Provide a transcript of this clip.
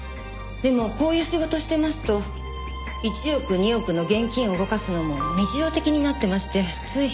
でもこういう仕事をしてますと１億２億の現金を動かすのも日常的になってましてつい。